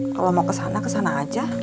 kalau mau ke sana ke sana aja